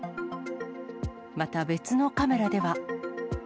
また別のカメラでは。